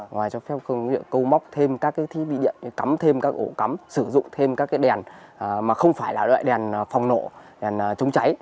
ngoài cho phép cầu móc thêm các thiết bị điện cắm thêm các ổ cắm sử dụng thêm các đèn mà không phải là đoại đèn phòng nộ đèn chống cháy